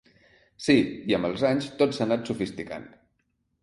Sí, i amb els anys tot s’ha anat sofisticant.